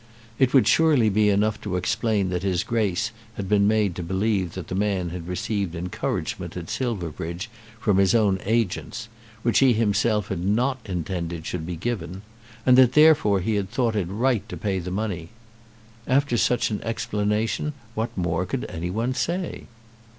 It would surely be enough to explain that his Grace had been made to believe that the man had received encouragement at Silverbridge from his own agents, which he himself had not intended should be given, and that therefore he had thought it right to pay the money. After such an explanation what more could any one say?"